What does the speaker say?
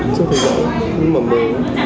cho thầy bảo nhưng mà mới